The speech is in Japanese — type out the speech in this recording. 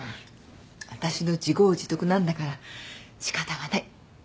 私の自業自得なんだから仕方がない。